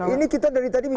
ini kita dari tadi bicara